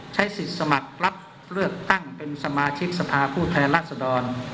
ใช้สิทธิ์สมัครรับเลือกตั้งเป็นสมาชิกสภาผู้แทนราชดร